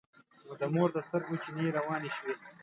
نو د مور د سترګو چينې يې روانې شوې.